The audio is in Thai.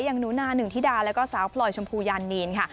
อย่างหนูนาหนึ่งธิดาแล้วก็สาวพลอยชมพูยานีนค่ะ